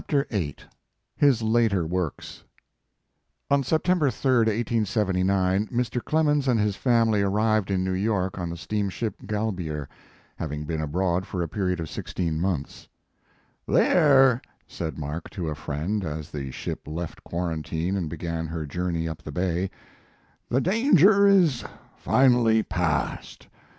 129 VIII, HIS LATER WOKKS, On September 3, 1879, Mr. Clemens and his family arrived in New York on the steamship Galbier, having been abroad for a period ot sixteen months. "There," said Mark, to a friend, as the ship left quarantine and began her journey up the bay, "the danger is finally passed.